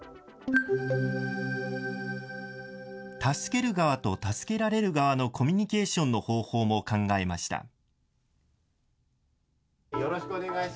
助ける側と助けられる側のコミュニケーションの方法も考えました。